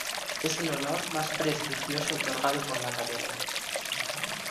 Es el honor más prestigioso otorgado por la Academia.